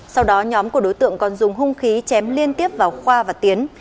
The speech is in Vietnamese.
sau đó nhóm của đối tượng còn dùng hung khí chém liên tiếp vào khoa và tiến